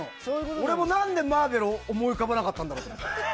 俺もなんでマーベルを思い浮かばなかったんだろうって。